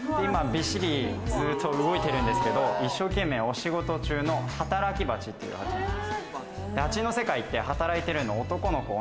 びっしりずっと動いてるんですけど、一生懸命お仕事中の働き蜂っていう蜂です。